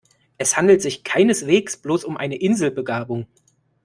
Es handelt sich keineswegs bloß um eine Inselbegabung.